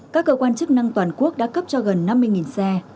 các cơ quan chức năng toàn quốc đã cấp cho gần năm mươi xe